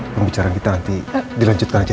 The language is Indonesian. pembicaraan kita nanti dilanjutkan aja